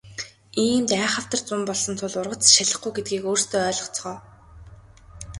Иймд айхавтар зун болсон тул ургац ч шалихгүй гэдгийг өөрсдөө ойлгоцгоо.